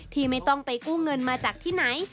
ที่ไม่ต้องไปกู้เงินมาจากที่ไหน